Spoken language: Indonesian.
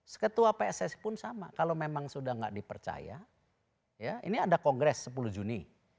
seketua pss pun sama kalau memang sudah tidak dipercaya ya ini ada kongres sepuluh juni